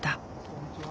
こんにちは。